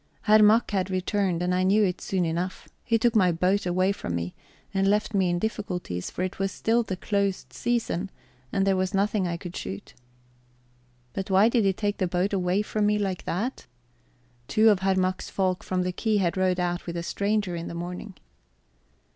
Herr Mack had returned, and I knew it soon enough. He took my boat away from me, and left me in difficulties, for it was still the closed season, and there was nothing I could shoot. But why did he take the boat away from me like that? Two of Herr Mack's folk from the quay had rowed out with a stranger in the morning.